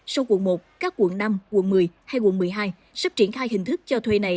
sau quận một các quận năm quận một mươi hay quận một mươi hai sắp triển khai hình thức cho thuê này